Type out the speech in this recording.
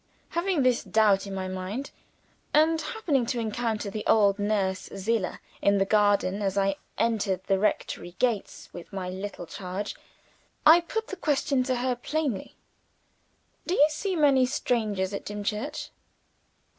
Having this doubt in my mind, and happening to encounter the old nurse, Zillah, in the garden as I entered the rectory gates with my little charge, I put the question to her plainly, "Do you see many strangers at Dimchurch?"